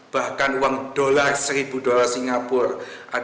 bahkan uang dolar seribu dolar singapura